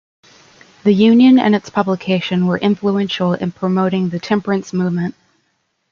The Union and its publication were influential in promoting the temperance movement.